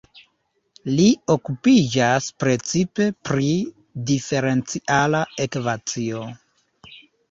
Li okupiĝas precipe pri diferenciala ekvacio.